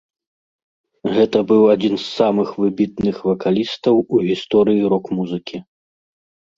Гэта быў адзін з самых выбітных вакалістаў у гісторыі рок-музыкі.